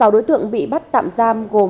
sáu đối tượng bị bắt tạm giam gồm đa dạng